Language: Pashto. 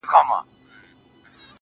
چي تا په گلابي سترگو پرهار پکي جوړ کړ,